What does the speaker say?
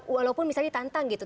walaupun misalnya ditantang gitu